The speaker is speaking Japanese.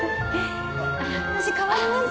私代わります。